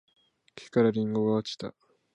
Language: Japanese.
木からりんごが落ちた